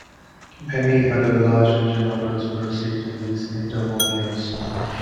Many other 'large-engine' orders were received in these inter-war years.